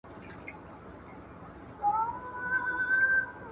پر خپل جنون له دې اقرار سره مي نه لګیږي.